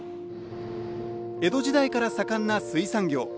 江戸時代から盛んな水産業。